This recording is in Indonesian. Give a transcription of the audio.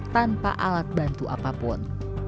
tanpa alat bantu apapun